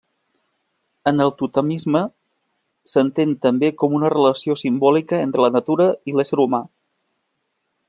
En el totemisme, s'entén també com una relació simbòlica entre la natura i l'ésser humà.